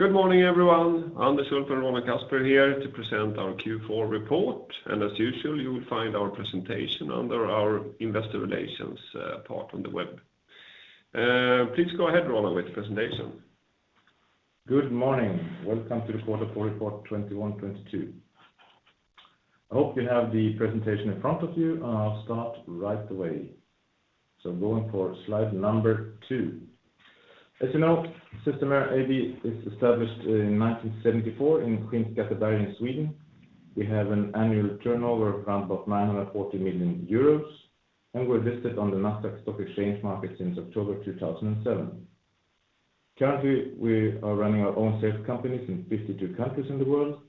Good morning, everyone. Anders Ulff and Roland Kasper here to present our Q4 report. As usual, you will find our presentation under our Investor Relations part on the web. Please go ahead, Roland, with the presentation. Good morning. Welcome to the quarter four report 2021-2022. I hope you have the presentation in front of you, and I'll start right away. Going for slide number two. As you know, Systemair AB is established in 1974 in Skinnskatteberg in Sweden. We have an annual turnover of around 940 million euros, and we're listed on Nasdaq stock exchange since October 2007. Currently, we are running our own sales companies in 52 countries in the world,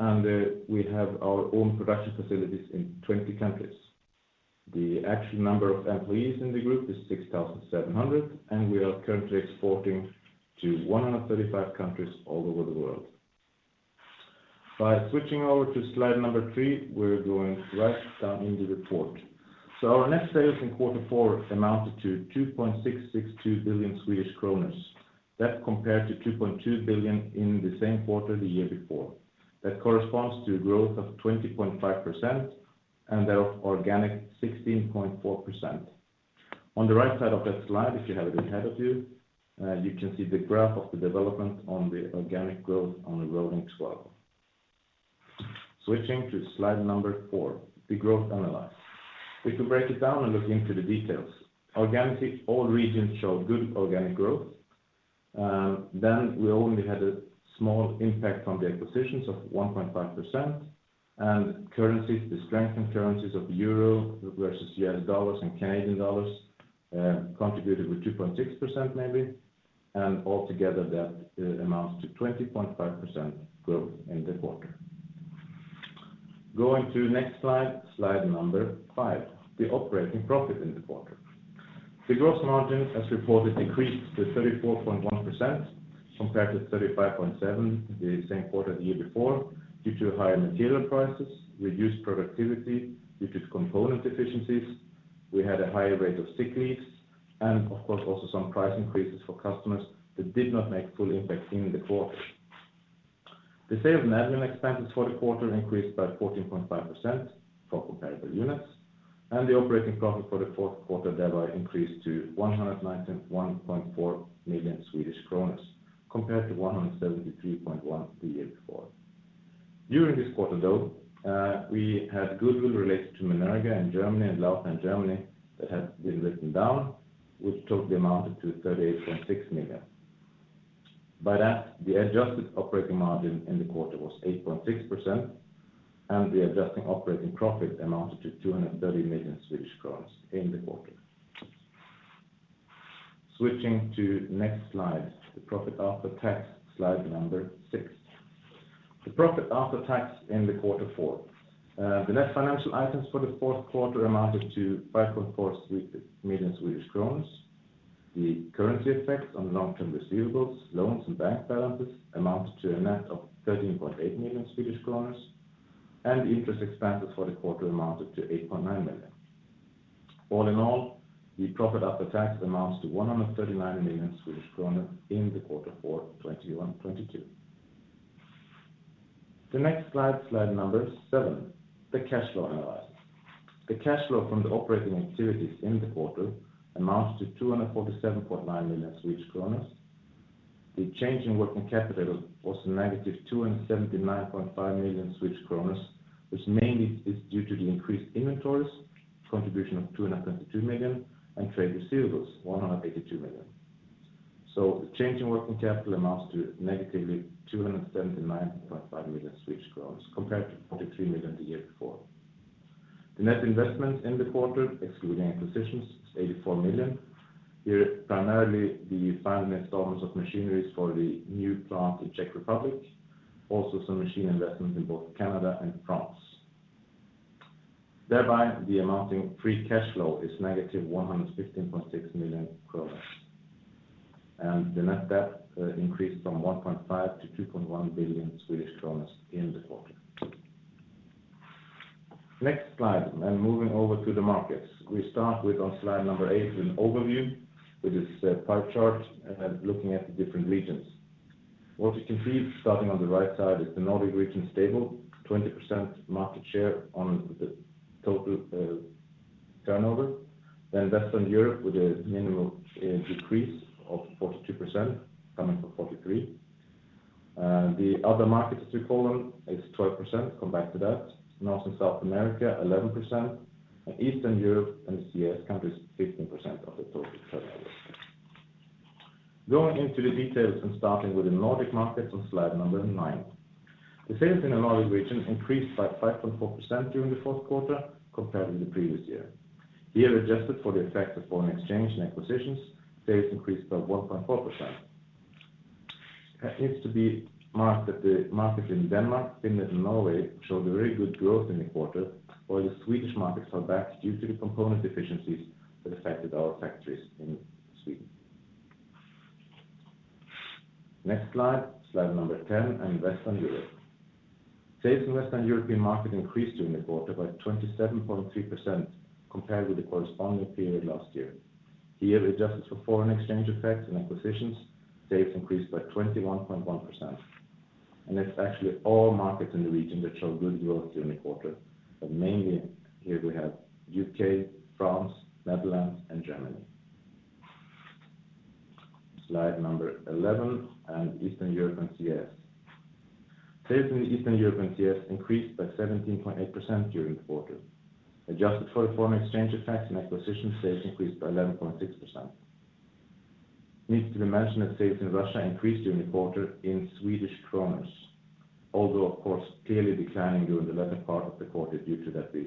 and we have our own production facilities in 20 countries. The actual number of employees in the group is 6,700, and we are currently exporting to 135 countries all over the world. By switching over to slide number three, we're going right down in the report. Our net sales in quarter four amounted to 2.662 billion Swedish kronor. That compared to 2.2 billion in the same quarter the year before. That corresponds to a growth of 20.5% and an organic 16.4%. On the right side of that slide, if you have it in front of you can see the graph of the development on the organic growth on a rolling twelve. Switching to slide number four, the growth analysis. If you break it down and look into the details. Organically, all regions show good organic growth. Then we only had a small impact from the acquisitions of 1.5% and currencies, the strengthening currencies of Euro versus U.S. dollars and Canadian dollars, contributed with 2.6% maybe. Altogether that amounts to 20.5% growth in the quarter. Going to next slide five, the operating profit in the quarter. The gross margin as reported decreased to 34.1% compared to 35.7% the same quarter the year before, due to higher material prices, reduced productivity due to component inefficiencies. We had a higher rate of sick leaves and of course, also some price increases for customers that did not make full impact in the quarter. The sales and admin expenses for the quarter increased by 14.5% for comparable units, and the operating profit for the fourth quarter thereby increased to 191.4 million Swedish kronor, compared to 173.1 million the year before. During this quarter, though, we had goodwill related to Menerga in Germany and Lautner in Germany that had been written down, which totally amounted to 38.6 million. By that, the adjusted operating margin in the quarter was 8.6%, and the adjusted operating profit amounted to 230 million Swedish crowns in the quarter. Switching to next slide, the profit after tax, slide number six. The profit after tax in the quarter four. The net financial items for the fourth quarter amounted to 5.4 million. The currency effects on long-term receivables, loans, and bank balances amounted to a net of 13.8 million, and interest expenses for the quarter amounted to 8.9 million. All in all, the profit after tax amounts to 139 million in Q4 2021/2022. The next slide number seven, the cash flow analysis. The cash flow from the operating activities in the quarter amounts to 247.9 million. The change in working capital was a negative 279.5 million, which mainly is due to the increased inventories, contribution of 222 million, and trade receivables, 182 million. The change in working capital amounts to negative 279.5 million, compared to 43 million the year before. The net investment in the quarter, excluding acquisitions, is 84 million. Here, primarily the final installments of machinery for the new plant in Czech Republic, also some machine investments in both Canada and France. The free cash flow amounted to negative 115.6 million kronor, and the net debt increased from 1.5 billion to 2.1 billion Swedish kronor in the quarter. Next slide, moving over to the markets. We start with on slide number eight with an overview, which is a pie chart and looking at the different regions. What you can see, starting on the right side, is the Nordic region stable, 20% market share on the total turnover. Then Western Europe with a minimal decrease of 42% coming from 43%. The other markets column is 12%, come back to that. North and South America, 11%. Eastern Europe and CIS countries, 15% of the total turnover. Going into the details and starting with the Nordic markets on slide number nine. The sales in the Nordic region increased by 5.4% during the fourth quarter compared to the previous year. Here, adjusted for the effect of foreign exchange and acquisitions, sales increased by 1.4%. It is to be marked that the market in Denmark, Finland, and Norway showed a very good growth in the quarter, while the Swedish markets held back due to the component deficiencies that affected our factories in Sweden. Next slide 10 and Western Europe. Sales in Western European market increased during the quarter by 27.3% compared with the corresponding period last year. Here, adjusted for foreign exchange effects and acquisitions, sales increased by 21.1%. It's actually all markets in the region that showed good growth during the quarter. Mainly here we have U.K., France, Netherlands and Germany. Slide 11 and Eastern Europe and CIS. Sales in Eastern Europe and CIS increased by 17.8% during the quarter. Adjusted for the foreign exchange effects and acquisitions, sales increased by 11.6%. Needless to mention that sales in Russia increased during the quarter in Swedish kronor, although of course clearly declining during the latter part of the quarter due to that we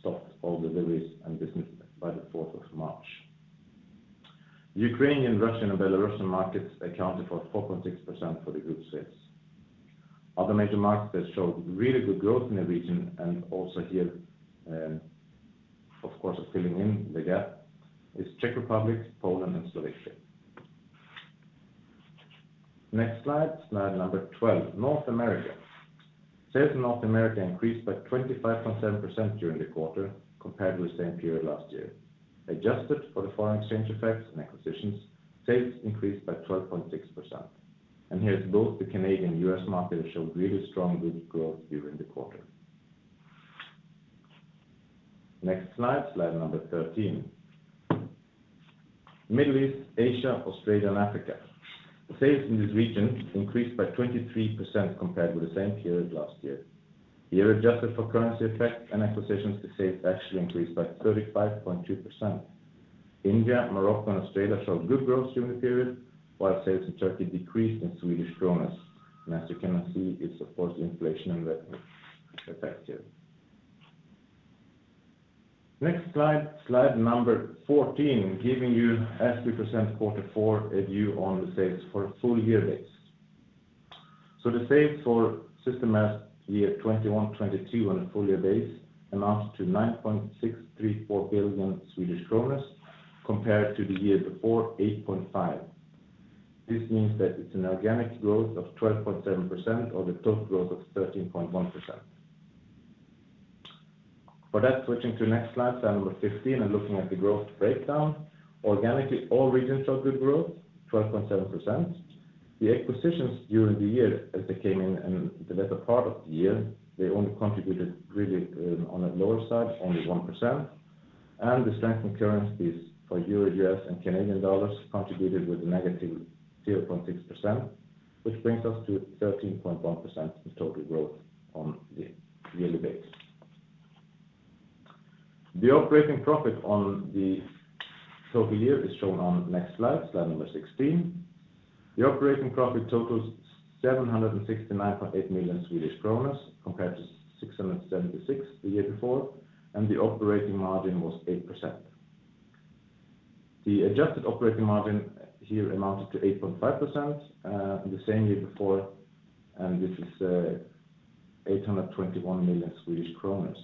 stopped all deliveries and business by the fourth of March. The Ukrainian, Russian, and Belarusian markets accounted for 4.6% of the group sales. Other major markets that showed really good growth in the region and also here, of course, are filling in the gap, Czech Republic, Poland and Slovakia. Next slide number 12, North America. Sales in North America increased by 25.7% during the quarter compared to the same period last year. Adjusted for the foreign exchange effects and acquisitions, sales increased by 12.6%. Here it's both the Canadian and U.S. market showed really strong good growth during the quarter. Next slide number 13. Middle East, Asia, Australia and Africa. The sales in this region increased by 23% compared with the same period last year. Here, adjusted for currency effect and acquisitions, the sales actually increased by 35.2%. India, Morocco and Australia showed good growth during the period, while sales in Turkey decreased in Swedish kronor. As you can now see it's of course the inflation and weather effect here. Next slide number 14, giving you as we present quarter four a view on the sales for a full year base. The sales for Systemair year 2021-2022 on a full year base amounts to 9.634 billion Swedish kronor compared to the year before 8.5 billion. This means that it's an organic growth of 12.7% or the total growth of 13.1%. For that, switching to next slide number 15, and looking at the growth breakdown. Organically all regions showed good growth, 12.7%. The acquisitions during the year as they came in the latter part of the year, they only contributed really, on a lower side, only 1%. The strengthening currencies for Euro, U.S. dollar, and Canadian dollar contributed with a -0.6%, which brings us to 13.1% in total growth on the yearly base. The operating profit on the total year is shown on next slide number 16. The operating profit totals 769.8 million compared to 676 million the year before, and the operating margin was 8%. The adjusted operating margin here amounted to 8.5% in the same year before, and this is 821 million Swedish kronor.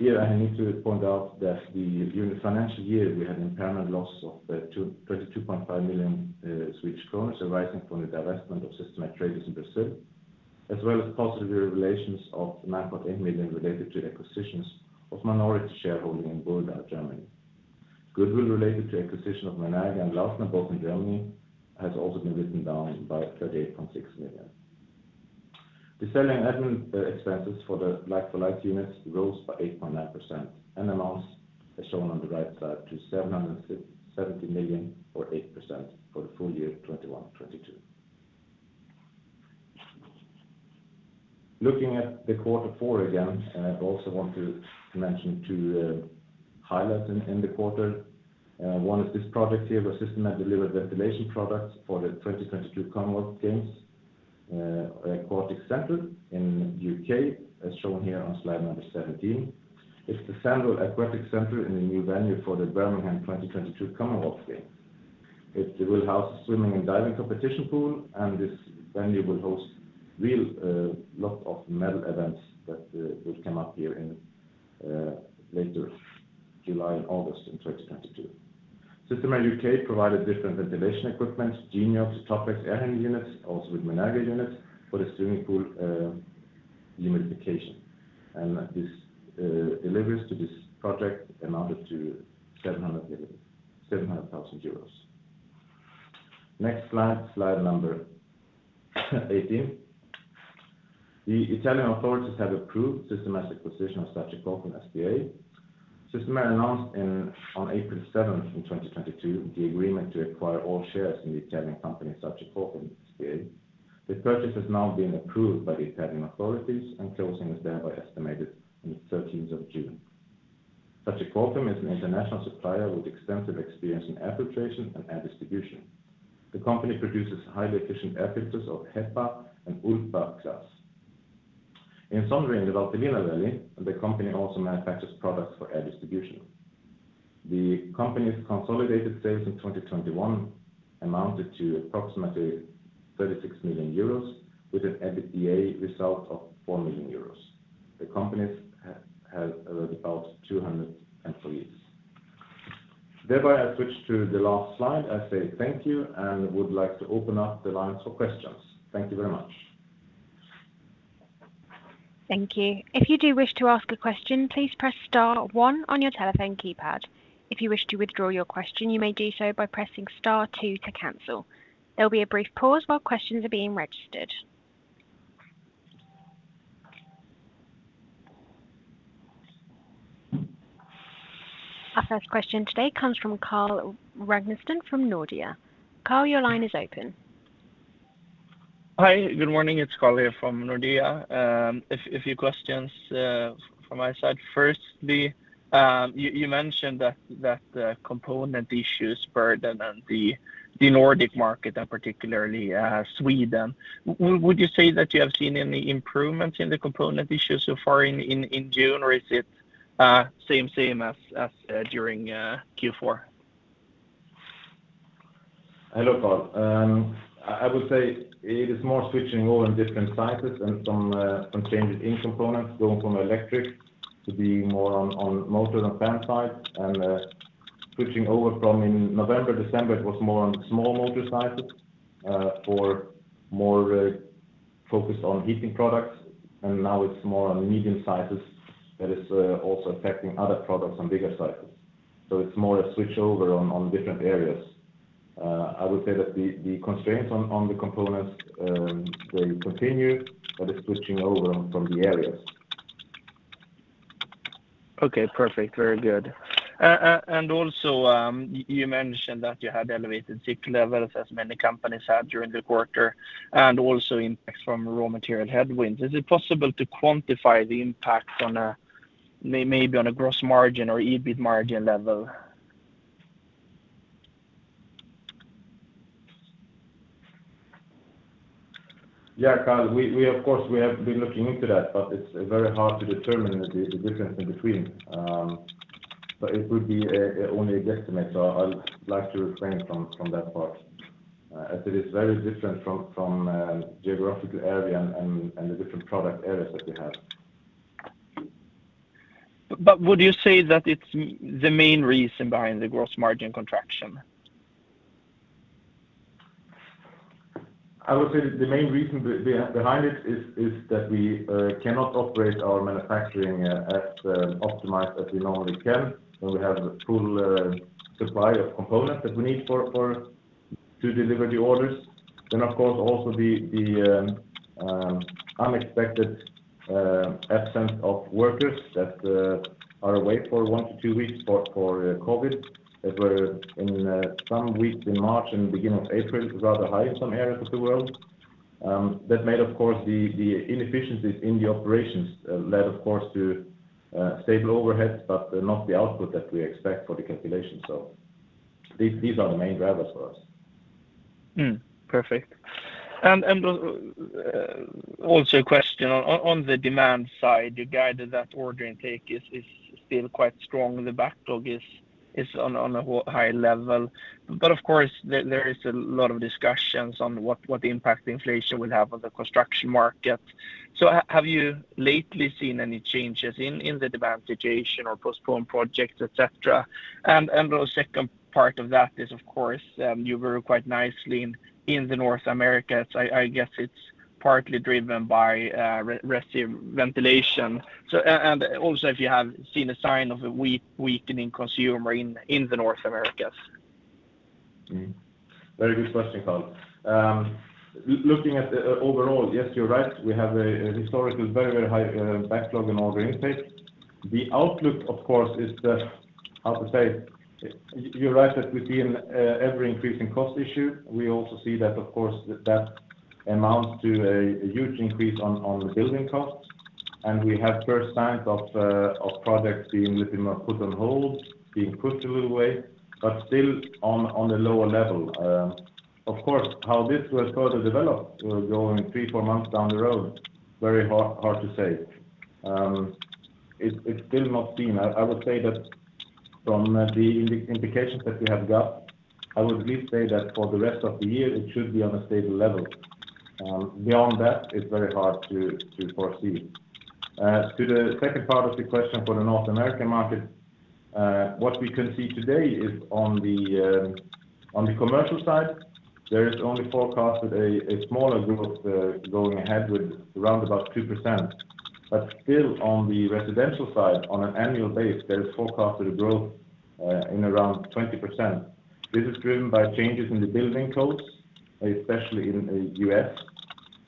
Here I need to point out that during the financial year, we had an impairment loss of 22.5 million Swedish kronor Swedish kronors arising from the divestment of Systemair Traydus in Brazil, as well as positive revaluations of 9.8 million related to acquisitions of minority shareholding in Burda, Germany. Goodwill related to acquisition of Menerga and Lautner, both in Germany, has also been written down by 38.6 million. The selling, admin expenses for the like-for-like units rose by 8.9% and amounts as shown on the right side to 770 million or 8% for the full year 2021-2022. Looking at the quarter four again, I also want to mention two highlights in the quarter. One is this project here where Systemair delivered ventilation products for the 2022 Commonwealth Games Aquatics Centre in U.K., as shown here on slide number 17. It's the Sandwell Aquatic Centre and a new venue for the Birmingham 2022 Commonwealth Games. It will house a swimming and diving competition pool, and this venue will host real lot of medal events that will come up here in later July and August in 2022. Systemair U.K. provided different ventilation equipment, Geniox, Topvex, air handling units, also with Menerga units for the swimming pool humidification. This deliveries to this project amounted to 700 thousand euros. Next slide number 18. The Italian authorities have approved Systemair's acquisition of SagiCofim S.p.A. Systemair announced in April 7, 2022, the agreement to acquire all shares in the Italian company SagiCofim S.p.A. The purchase has now been approved by the Italian authorities and closing is thereby estimated in June 13. SagiCofim S.p.A. is an international supplier with extensive experience in air filtration and air distribution. The company produces highly efficient air filters of HEPA and ULPA class. In Somma Vesuviana, the company also manufactures products for air distribution. The company's consolidated sales in 2021 amounted to approximately 36 million euros with an EBITDA result of 4 million euros. The company has around about 200 employees. Thereby I switch to the last slide. I say thank you and would like to open up the lines for questions. Thank you very much. Thank you. If you do wish to ask a question, please press star one on your telephone keypad. If you wish to withdraw your question, you may do so by pressing star two to cancel. There'll be a brief pause while questions are being registered. Our first question today comes from Carl Ragnerstam from Nordea. Carl, your line is open. Hi. Good morning. It's Carl here from Nordea. A few questions from my side. Firstly, you mentioned that the component issues burden on the Nordic market and particularly Sweden. Would you say that you have seen any improvements in the component issues so far in June, or is it same as during Q4? Hello, Carl. I would say it is more switching over in different cycles than some changes in components going from electric to being more on motor than fan side. Switching over from in November, December, it was more on small motor cycles or more focused on heating products, and now it's more on medium sizes that is also affecting other products on bigger cycles. It's more a switchover on different areas. I would say that the constraints on the components they continue, but it's switching over from the areas. You mentioned that you had elevated sick levels as many companies had during the quarter, and also impacts from raw material headwinds. Is it possible to quantify the impact, maybe on a gross margin or EBIT margin level? Yeah, Carl. We of course have been looking into that, but it's very hard to determine the difference in between. It would be only a guesstimate, so I'd like to refrain from that part, as it is very different from geographical area and the different product areas that we have. Would you say that it's the main reason behind the gross margin contraction? I would say that the main reason behind it is that we cannot operate our manufacturing as optimized as we normally can when we have the full supply of components that we need for to deliver the orders. Of course, also the unexpected absence of workers that are away for one to two weeks for COVID that were in some weeks in March and beginning of April, it was rather high in some areas of the world. That made, of course, the inefficiencies in the operations led of course to stable overheads but not the output that we expect for the calculation. These are the main drivers for us. Perfect. Also a question on the demand side. You guided that order intake is still quite strong. The backlog is on a high level. But of course, there is a lot of discussions on what impact inflation will have on the construction market. Have you lately seen any changes in the demand situation or postponed projects, et cetera? The second part of that is, of course, you grew quite nicely in North America. I guess it's partly driven by residential ventilation. Also if you have seen a sign of a weakening consumer in North America. Very good question, Carl. Looking at overall, yes, you're right. We have a historical very high backlog in order intake. The outlook, of course, is that, how to say. You're right that we see an ever-increasing cost issue. We also see that, of course, that amounts to a huge increase on the building costs. We have first signs of projects being little more put on hold, being pushed a little way, but still on a lower level. Of course, how this will further develop going three, four months down the road, very hard to say. It's still not seen. I would say that from the indications that we have got, I would at least say that for the rest of the year, it should be on a stable level. Beyond that, it's very hard to foresee. As to the second part of the question for the North American market, what we can see today is on the commercial side, there is only forecasted a smaller growth going ahead with around about 2%. But still on the residential side, on an annual base, there is forecasted a growth in around 20%. This is driven by changes in the building codes, especially in U.S.,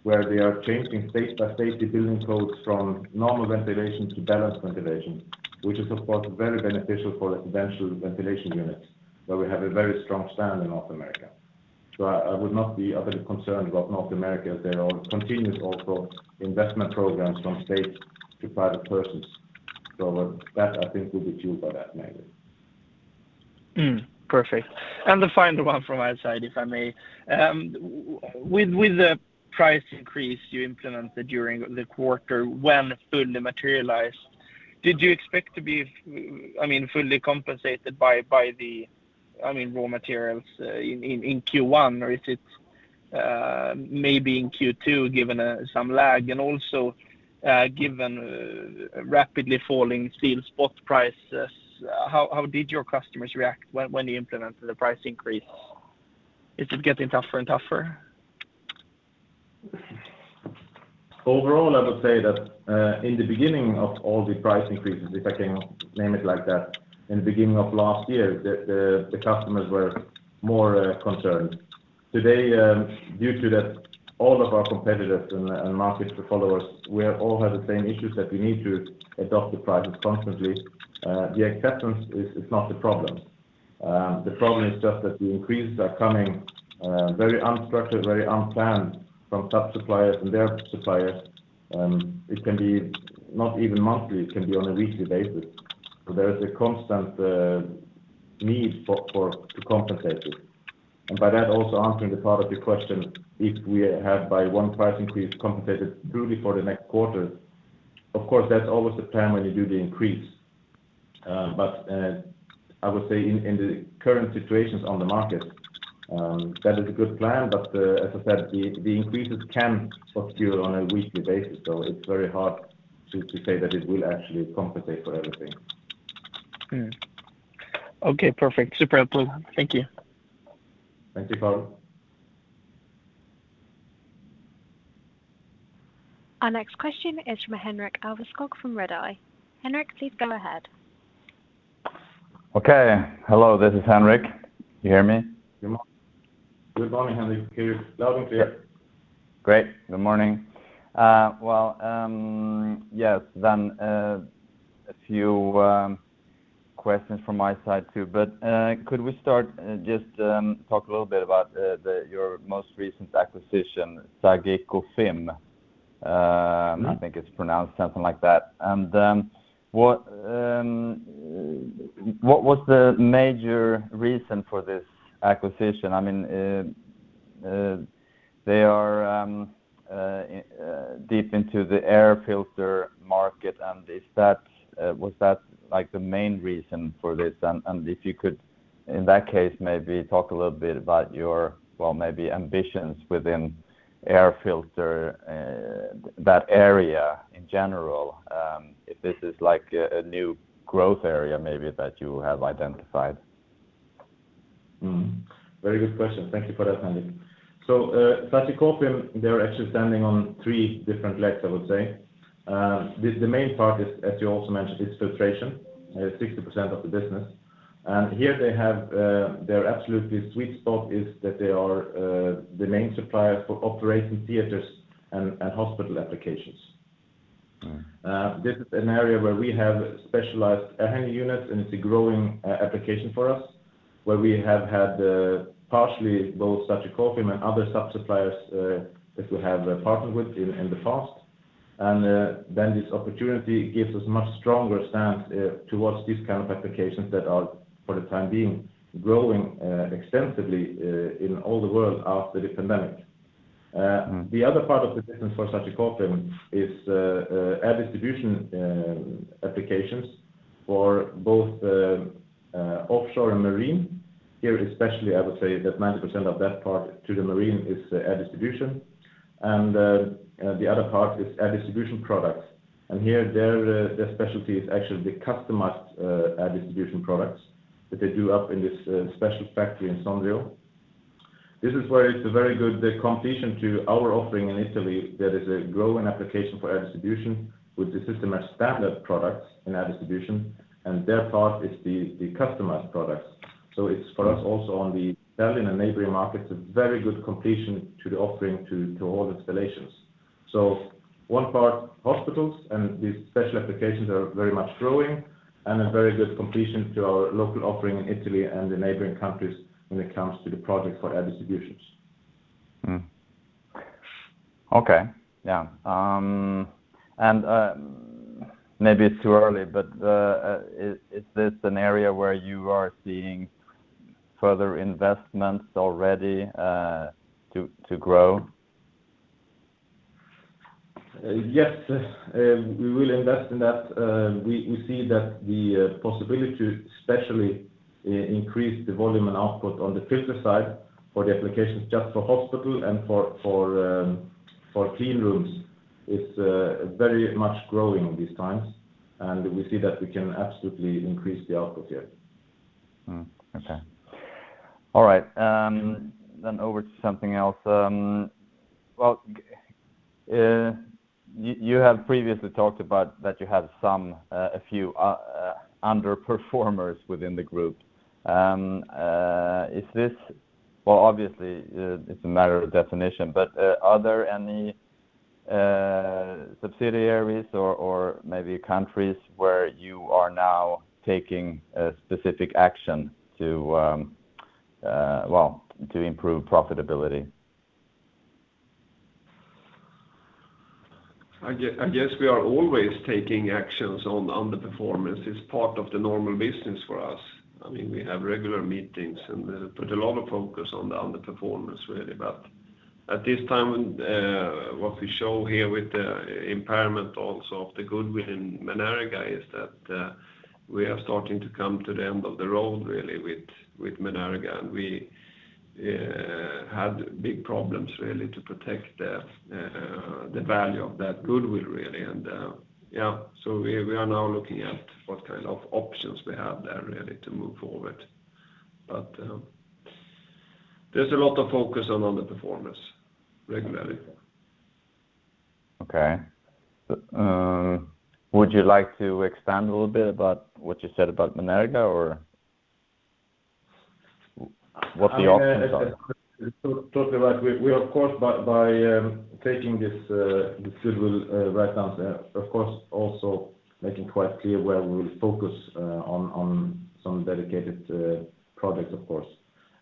where they are changing state by state the building codes from normal ventilation to balanced ventilation, which is of course very beneficial for residential ventilation units, where we have a very strong stand in North America. I would not be a bit concerned about North America. There are continuous also investment programs from state to private persons. that I think will be fueled by that mainly. Perfect. The final one from my side, if I may. With the price increase you implemented during the quarter, when fully materialized, did you expect to be, I mean, fully compensated by the, I mean, raw materials in Q1? Or is it Maybe in Q2, given some lag, and also given rapidly falling steel spot prices, how did your customers react when you implemented the price increase? Is it getting tougher and tougher? Overall, I would say that in the beginning of all the price increases, if I can name it like that, in the beginning of last year, the customers were more concerned. Today, due to that, all of our competitors and market followers, we all have the same issues that we need to adjust the prices constantly. The acceptance is not the problem. The problem is just that the increases are coming very unstructured, very unplanned from sub-suppliers and their suppliers. It can be not even monthly, it can be on a weekly basis. There is a constant need to compensate it. By that also answering the part of your question, if we have by one price increase compensated truly for the next quarter, of course, that's always the plan when you do the increase. I would say in the current situations on the market, that is a good plan, but as I said, the increases can occur on a weekly basis, so it's very hard to say that it will actually compensate for everything. Okay, perfect. Super helpful. Thank you. Thank you, Carl. Our next question is from Henrik Alveskog from Redeye. Henrik, please go ahead. Okay. Hello, this is Henrik. You hear me? Good morning, Henrik. Hear you loud and clear. Great. Good morning. Well, yes, then a few questions from my side too. Could we start just talk a little bit about your most recent acquisition, SagiCofim? Mm. I think it's pronounced something like that. What was the major reason for this acquisition? I mean, they are deep into the air filter market, and was that like the main reason for this? If you could, in that case, maybe talk a little bit about your, well, maybe ambitions within air filter, that area in general, if this is like a new growth area maybe that you have identified. Very good question. Thank you for that, Henrik. SagiCofim, they're actually standing on three different legs, I would say. The main part, as you also mentioned, is filtration, 60% of the business. Here they have their absolutely sweet spot is that they are the main supplier for operating theaters and hospital applications. Mm. This is an area where we have specialized HEPA units, and it's a growing application for us, where we have had partially both SagiCofim and other sub-suppliers that we have partnered with in the past. This opportunity gives us much stronger stance towards these kind of applications that are, for the time being, growing extensively in all the world after the pandemic. Mm. The other part of the business for SagiCofim is air distribution applications for both offshore and marine. Here, especially, I would say that 90% of that part to the marine is air distribution. The other part is air distribution products. Here, their specialty is actually the customized air distribution products that they do up in this special factory in Sandvik. This is where it's a very good competition to our offering in Italy that is a growing application for air distribution, with DESistem as standard products in air distribution, and their part is the customized products. It's for us also on the Italian and neighboring markets, a very good completion to the offering to all installations. One part hospitals and these special applications are very much growing and a very good complement to our local offering in Italy and the neighboring countries when it comes to the products for air distribution. Maybe it's too early, but is this an area where you are seeing further investments already to grow? Yes, we will invest in that. We see that the possibility to especially increase the volume and output on the filter side for the applications just for hospital and for clean rooms is very much growing these times. We see that we can absolutely increase the output here. Okay. All right. Over to something else. Well, you have previously talked about that you have a few underperformers within the group. Well, obviously, it's a matter of definition, but are there any subsidiaries or maybe countries where you are now taking specific action to, well, to improve profitability? I guess we are always taking actions on underperformance. It's part of the normal business for us. I mean, we have regular meetings and put a lot of focus on the underperformance, really. But at this time, what we show here with the impairment also of the goodwill in Menerga is that we are starting to come to the end of the road, really, with Menerga. We Had big problems really to protect the value of that goodwill really. Yeah, we are now looking at what kind of options we have there really to move forward. There's a lot of focus on underperformance regularly. Okay. Would you like to expand a little bit about what you said about Menerga or what the options are? I mean, it's totally right. We of course by taking this goodwill write-down of course also making quite clear where we will focus on some dedicated projects of course.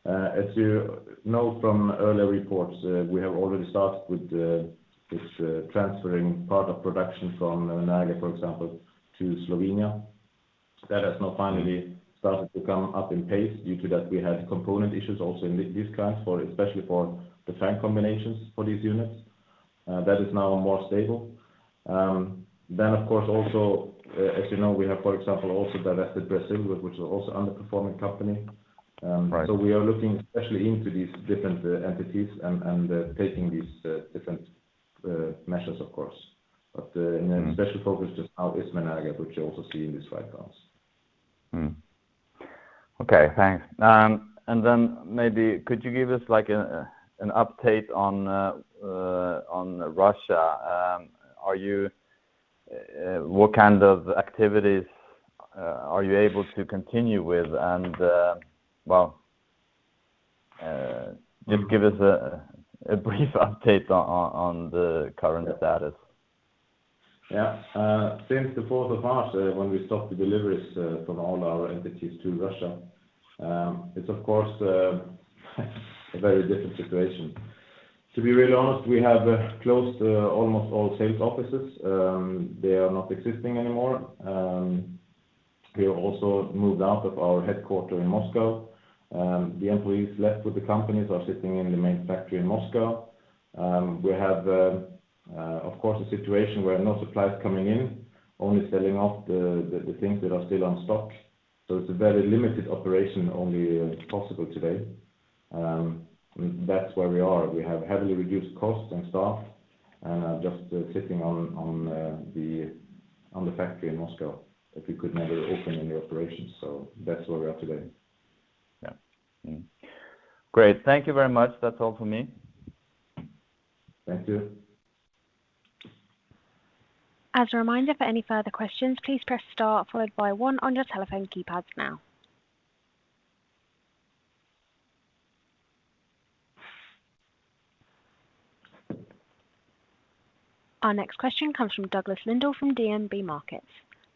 As you know from earlier reports, we have already started with this transferring part of production from Menerga, for example, to Slovenia. That has now finally started to pick up pace due to that we had component issues also in these plants especially for the tank combinations for these units that is now more stable. Then of course also as you know, we have, for example, also divested Brazil, which was also underperforming company. Right. We are looking especially into these different entities and taking these different measures of course. Mm-hmm. Special focus just now is Menerga, which you also see in these write-downs. Mm-hmm. Okay, thanks. Then maybe could you give us, like, an update on Russia? What kind of activities are you able to continue with? Well, just give us a brief update on the current status. Yeah. Since the fourth of March, when we stopped the deliveries from all our entities to Russia, it's of course a very different situation. To be really honest, we have closed almost all sales offices. They are not existing anymore. We also moved out of our headquarters in Moscow. The employees left with the companies are sitting in the main factory in Moscow. We have of course a situation where no suppliers coming in, only selling off the things that are still on stock. It's a very limited operation only possible today. That's where we are. We have heavily reduced costs and staff just sitting in the factory in Moscow, but we could never open any operations. That's where we are today. Yeah. Mm-hmm. Great. Thank you very much. That's all for me. Thank you. As a reminder, for any further questions, please press star followed by one on your telephone keypads now. Our next question comes from Douglas Lindahl from DNB Markets.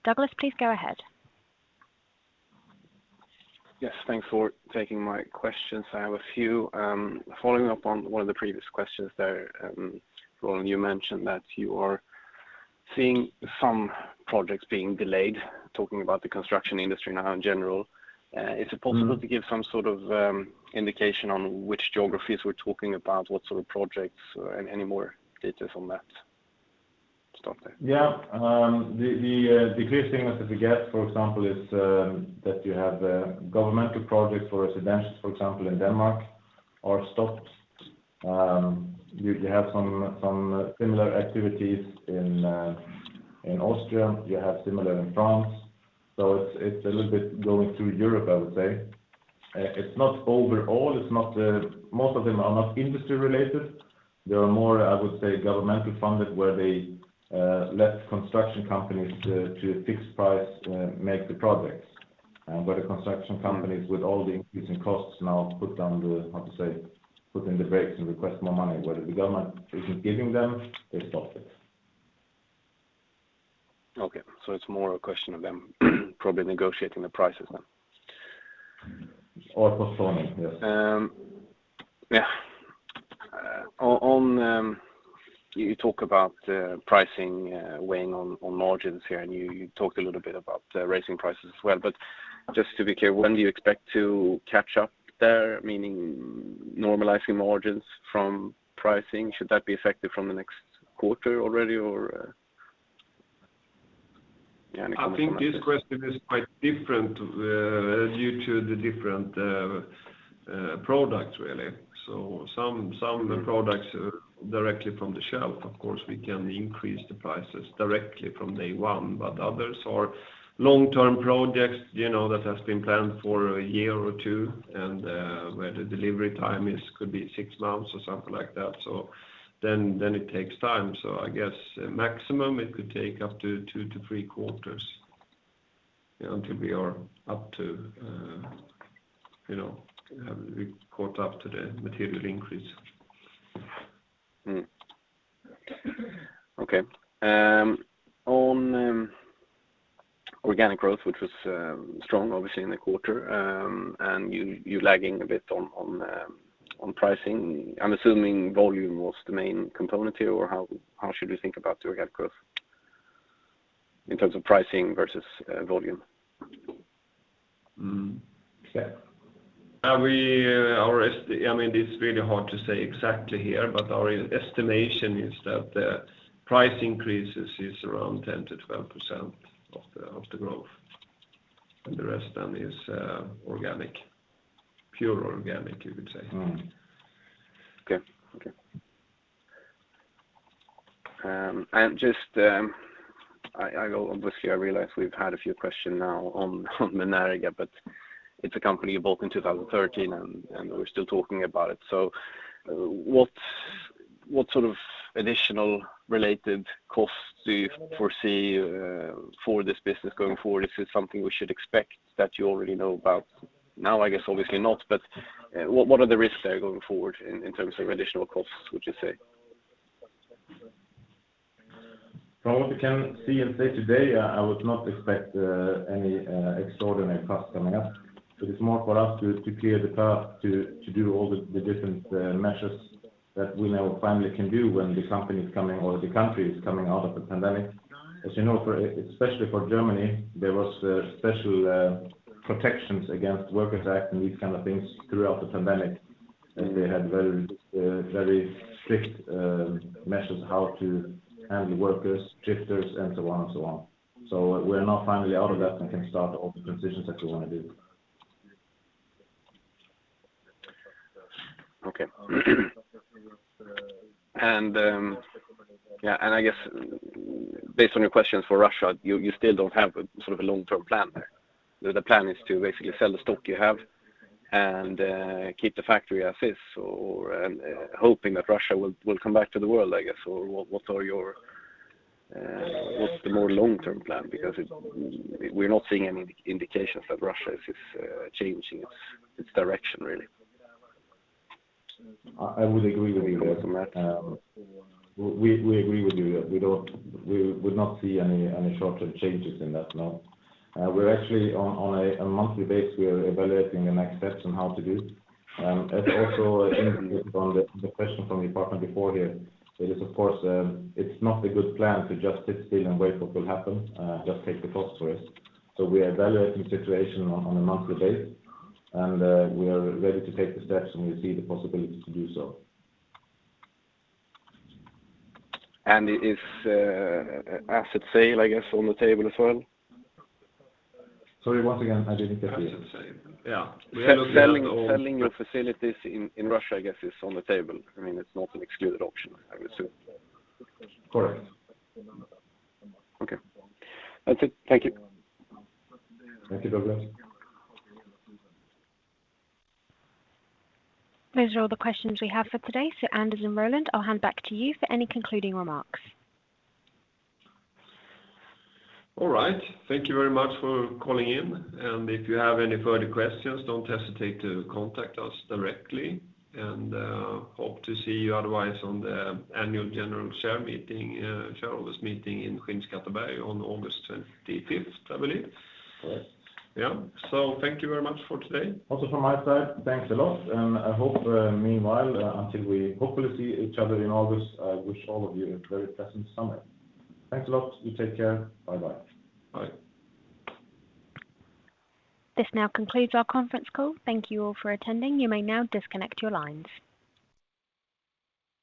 Douglas, please go ahead. Yes, thanks for taking my questions. I have a few. Following up on one of the previous questions there, Roland, you mentioned that you are seeing some projects being delayed, talking about the construction industry now in general. Mm-hmm. Is it possible to give some sort of indication on which geographies we're talking about, what sort of projects, and any more details on that to start there? Yeah. The clear signal that we get, for example, is that governmental projects for residents, for example, in Denmark, are stopped. You have some similar activities in Austria. You have similar in France. It's a little bit going through Europe, I would say. It's not overall. Most of them are not industry related. They are more, I would say, governmental funded, where they let construction companies to a fixed price make the projects. Where the construction companies with all the increasing costs now putting the brakes and request more money, whether the government isn't giving them, they stop it. Okay. It's more a question of them probably negotiating the prices then? Postponing, yes. Yeah. On pricing weighing on margins here, and you talked a little bit about raising prices as well. Just to be clear, when do you expect to catch up there, meaning normalizing margins from pricing? Should that be effective from the next quarter already or any comment on this? I think this question is quite different, due to the different product really. Some Mm-hmm. The products are directly from the shelf. Of course, we can increase the prices directly from day one, but others are long-term projects, you know, that has been planned for a year or two and, where the delivery time could be six months or something like that. Then it takes time. I guess maximum it could take up to 2-3 quarters until we are up to, you know, we caught up to the material increase. Mm-hmm. Okay. On organic growth, which was strong obviously in the quarter, and you lagging a bit on pricing. I'm assuming volume was the main component here or how should we think about the organic growth in terms of pricing versus volume? Mm-hmm. Yeah. I mean, it's really hard to say exactly here, but our estimation is that the price increases is around 10%-12% of the growth. The rest of them is organic, pure organic, you could say. Mm-hmm. Okay. I obviously realize we've had a few questions now on the Menerga, but it's a company you bought in 2013 and we're still talking about it. What sort of additional related costs do you foresee for this business going forward? Is this something we should expect that you already know about? Now, I guess, obviously not, but what are the risks there going forward in terms of additional costs, would you say? From what we can see and say today, I would not expect any extraordinary costs coming up. It's more for us to clear the path to do all the different measures that we now finally can do when the company is coming or the country is coming out of the pandemic. As you know, especially for Germany, there was special protections against workers act and these kind of things throughout the pandemic. They had very strict measures how to handle workers, shifters, and so on and so on. We're now finally out of that and can start all the transitions that we wanna do. Okay. I guess based on your questions for Russia, you still don't have a sort of a long-term plan there. The plan is to basically sell the stock you have and keep the factory as is or and hoping that Russia will come back to the world, I guess. Or what are your, what's the more long-term plan? Because we're not seeing any indications that Russia is changing its direction, really. I would agree with you there. Okay. We agree with you. We would not see any short-term changes in that, no. We're actually on a monthly basis, we are evaluating the next steps on how to do. As also interviewed on the question from the department before here, it is of course, it's not a good plan to just sit still and wait what will happen, just take the cost for it. We are evaluating the situation on a monthly basis, and we are ready to take the steps when we see the possibility to do so. Is asset sale, I guess, on the table as well? Sorry, once again, I didn't get the. Asset sale. Yeah. We have looked at all. Selling your facilities in Russia, I guess, is on the table. I mean, it's not an excluded option, I would assume. Correct. Okay. That's it. Thank you. Thank you, Douglas. Those are all the questions we have for today. Anders and Roland, I'll hand back to you for any concluding remarks. All right. Thank you very much for calling in. Hope to see you otherwise on the annual general share meeting, shareholders meeting in Skinnskatteberg on August 25th, I believe. Yes. Yeah. Thank you very much for today. Also from my side, thanks a lot. I hope, meanwhile, until we hopefully see each other in August, I wish all of you a very pleasant summer. Thanks a lot. You take care. Bye-bye. Bye. This now concludes our conference call. Thank you all for attending. You may now disconnect your lines.